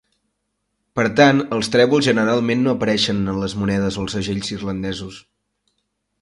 Per tant, els trèvols generalment no apareixen en les monedes o els segells irlandesos.